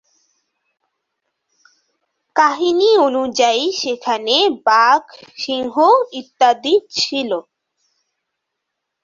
কাহিনি অনুযায়ী সেখানে বাঘ, সিংহ ইত্যাদি ছিল।